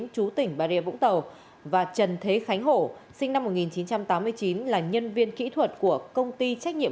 chú tỉnh bà rịa vũng tàu và trần thế khánh hổ sinh năm một nghìn chín trăm tám mươi chín là nhân viên kỹ thuật của công ty trách nhiệm